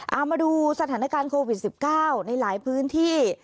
เอามาดูสถานการณ์โควิด๑๙ในหลายพื้นที่